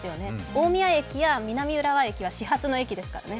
大宮駅や南浦和駅は始発の駅ですからね。